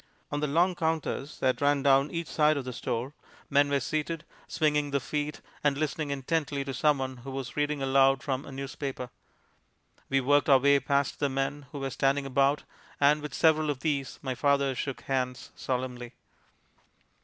On the long counters that ran down each side of the store men were seated, swinging their feet, and listening intently to some one who was reading aloud from a newspaper. We worked our way past the men who were standing about, and with several of these my father shook hands solemnly.